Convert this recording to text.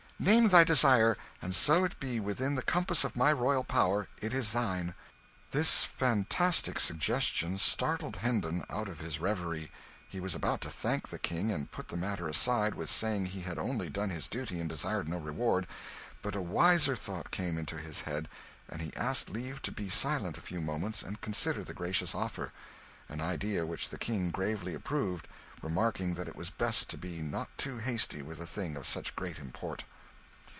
Name thy desire, and so it be within the compass of my royal power, it is thine." This fantastic suggestion startled Hendon out of his reverie. He was about to thank the King and put the matter aside with saying he had only done his duty and desired no reward, but a wiser thought came into his head, and he asked leave to be silent a few moments and consider the gracious offer an idea which the King gravely approved, remarking that it was best to be not too hasty with a thing of such great import.